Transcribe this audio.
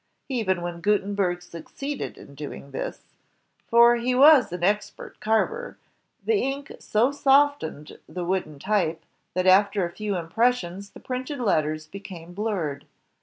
Even when Gutenberg succeeded in doing this, for he was JOHN GUTENBERG 1 95 an expert carver, the ink so softened the wooden type, that after a few impressions the printed letters became blurred.